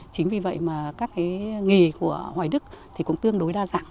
chính vì vậy mà các nghề của hoài đức cũng tương đối đa dạng